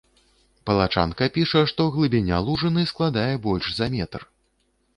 Палачанка піша, што глыбіня лужыны складае больш за метр.